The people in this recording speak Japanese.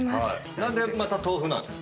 何でまた豆腐なんですか？